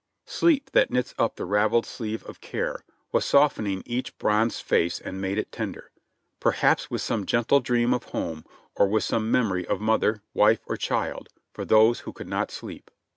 "Sleep that knits up the raveled sleeve of care" was softening each bronzed face and making it tender, perhaps with some gentle dream of home or with some memory of mother, wife or child, for those who could not sleep.